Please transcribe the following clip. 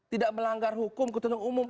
tidak melanggar hukum ketuntut umum